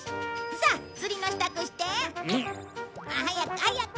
さあ釣りの支度して。早く早く！